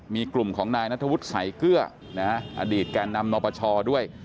มีกลุ่มของนายนัทวุฒิสายเกลืออดีตแก่นำนปชด้วย